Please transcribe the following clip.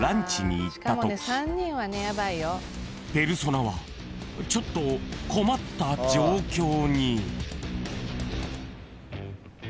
［ペルソナはちょっと困った状況に］えっ！？え！